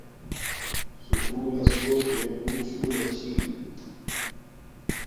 سکول لس کوٹ میے بوت شُولہ چھی